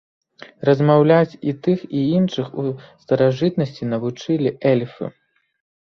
Размаўляць і тых і іншых у старажытнасці навучылі эльфы.